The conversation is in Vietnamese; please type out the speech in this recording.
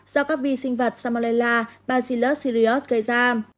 do các vi sinh vật samalela basila sirius gây ra